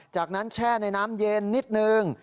จากนั้นแช่ในน้ำเย็นนิดนึง